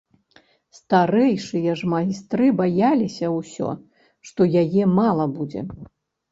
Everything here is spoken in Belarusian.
Старэйшыя ж майстры баяліся ўсё, што яе мала будзе.